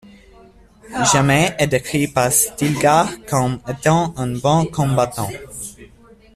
Jamis est décrit par Stilgar comme étant un bon combattant.